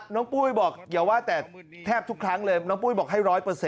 น้องปุ๊ยบอกแทบทุกครั้งเลยน้องปุ๊ยบอกให้๑๐๐